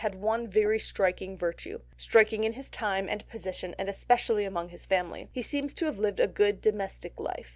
had one very striking virtue—striking in his time and position and especially in his family—he seems to have lived a good domestic life.